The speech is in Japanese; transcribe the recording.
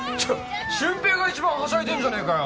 俊平が一番はしゃいでんじゃねえかよ